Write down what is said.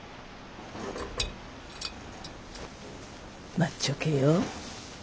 待っちょけよ。